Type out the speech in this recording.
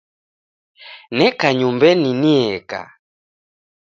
Neka nyumbenyi nieka